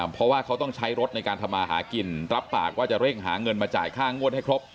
เพราะว่าเขาต้องใช้รถในการทำมาหากินรับปากว่าจะเร่งหาเงินมาจ่ายค่างวดให้ครบ